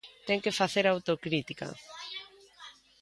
Ten que facer autocrítica.